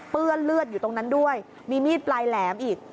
เลือดเลือดอยู่ตรงนั้นด้วยมีมีดปลายแหลมอีก